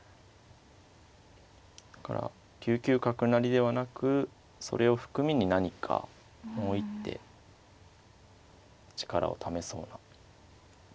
だから９九角成ではなくそれを含みに何かもう一手力をためそうな。